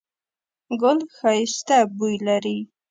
ګل ښایسته بوی لري